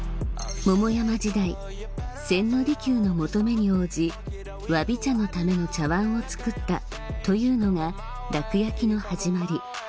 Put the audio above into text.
桃山時代千利休の求めに応じ侘び茶のための茶碗を作ったというのが樂焼の始まり